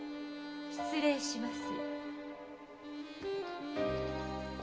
・失礼します。